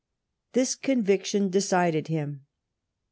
This conviction decided him.